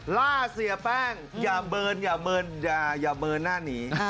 ล่าเสียแป้งอย่าเบิร์นอย่าเมินหน้าหนี